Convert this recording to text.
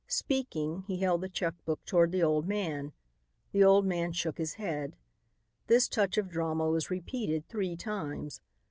Speaking, he held the check book toward the old man. The old man shook his head. This touch of drama was repeated three times.